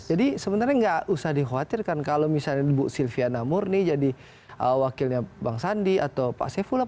jadi sebenarnya tidak usah dikhawatirkan kalau misalnya ibu silviana munsni jadi wakilnya bang sandi atau pak saifulah